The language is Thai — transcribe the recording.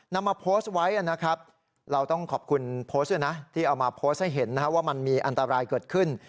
นำมาโพสต์ไว้นะครับเราต้องขอบคุณโพสต์ด้วยนะที่เอามาโพสต์ให้เห็นว่ามันมีอันตรายเกิดขึ้น